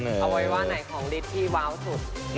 แล้วมี่หัวว่าก็สักครั้ง